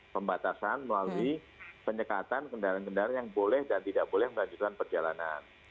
pembatasan melalui penyekatan kendaraan kendaraan yang boleh dan tidak boleh melanjutkan perjalanan